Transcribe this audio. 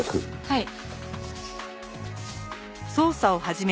はい。